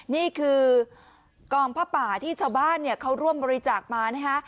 นี่คือกองผ้าป่าที่ชาวบ้านเขาร่วมบริจาคมานะฮะ